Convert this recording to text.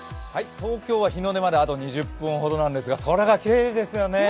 東京は日の出まであと２０分ほどですが空がきれいですよね。